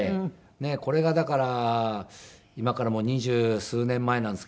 これがだから今から二十数年前なんですけども。